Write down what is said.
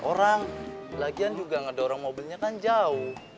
orang lagian juga nggak ada orang mobilnya kan jauh